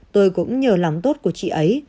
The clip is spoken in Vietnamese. tôi cũng nhờ lòng tốt của chị ấy